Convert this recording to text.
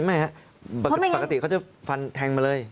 ไม่ครับปกติเขาจะฟันแทงมาเลย